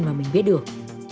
mà mình biết được